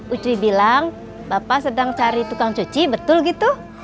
ucri bilang bapak sedang cari tukang cuci betul gitu